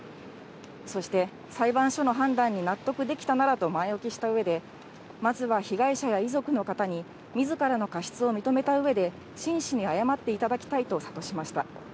そして裁判所の判断に納得できたならと前置きしたうえで、まずは被害者や遺族の方に、みずからの過失を認めたうえで、真摯に謝っていただきたいと諭しました。